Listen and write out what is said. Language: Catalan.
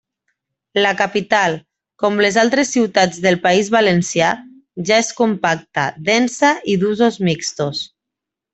La capital, com les altres ciutats del País Valencià, ja és compacta, densa i d'usos mixtos.